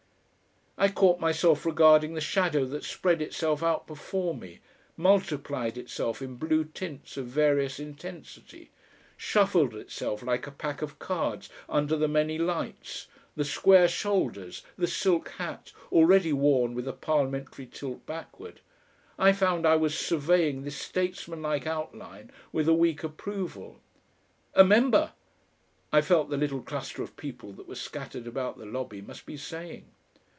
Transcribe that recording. I caught myself regarding the shadow that spread itself out before me, multiplied itself in blue tints of various intensity, shuffled itself like a pack of cards under the many lights, the square shoulders, the silk hat, already worn with a parliamentary tilt backward; I found I was surveying this statesmanlike outline with a weak approval. "A MEMBER!" I felt the little cluster of people that were scattered about the lobby must be saying.